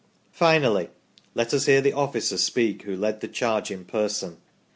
Finally, let us hear the officer speak who led the charge in person.